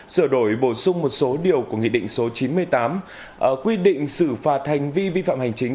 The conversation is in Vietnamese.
sửa đổi bổ sung một số điều của nghị định số chín mươi tám quy định xử phạt hành vi vi phạm hành chính